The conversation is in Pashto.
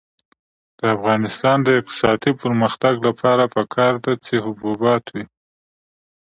د افغانستان د اقتصادي پرمختګ لپاره پکار ده چې حبوبات وي.